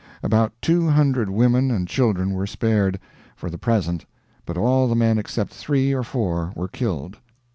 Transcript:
About two hundred women and children were spared for the present but all the men except three or four were killed.